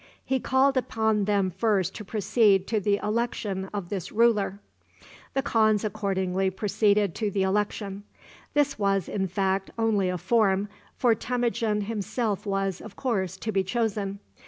He called upon them first to proceed to the election of this ruler. [Footnote C: See Frontispiece.] The khans accordingly proceeded to the election. This was, in fact, only a form, for Temujin himself was, of course, to be chosen.